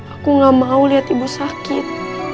aku gak mau lihat ibu sakit